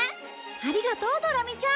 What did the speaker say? ありがとうドラミちゃん。